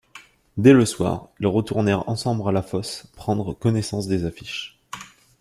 Dès le soir, ils retournèrent ensemble à la fosse prendre connaissance des affiches.